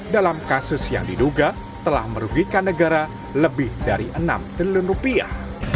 dalam kasus yang diduga telah merugikan negara lebih dari enam triliun rupiah